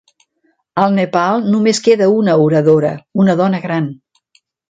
Al Nepal només queda una oradora, una dona gran.